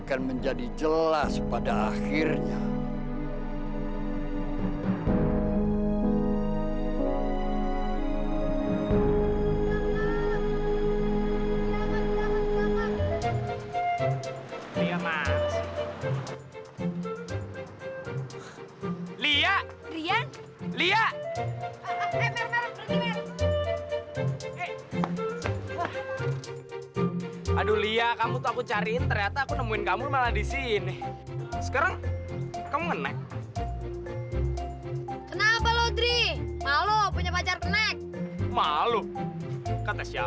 sampai jumpa di video selanjutnya